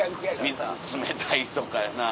「水冷たい」とかやな。